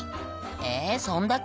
「えぇそんだけ？